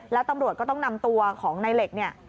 แล้วตำรวจก็ต้องนำตัวของในเหล็กเนี่ย